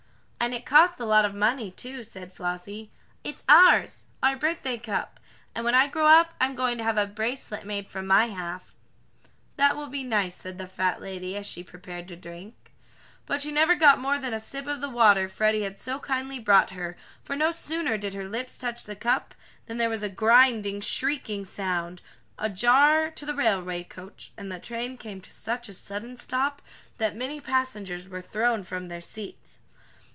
"And it cost a lot of money, too," said Flossie. "It's ours our birthday cup, and when I grow up I'm going to have a bracelet made from my half." "That will be nice," said the fat lady, as she prepared to drink. But she never got more than a sip of the water Freddie had so kindly brought her, for, no sooner did her lips touch the cup than there was a grinding, shrieking sound, a jar to the railway coach, and the train came to such a sudden stop that many passengers were thrown from their seats.